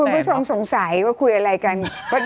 หิวเดียวคุณผู้ชมสงสัยว่าคุยอะไรกัน